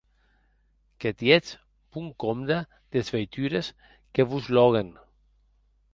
Que tietz bon compde des veitures que vos lòguen!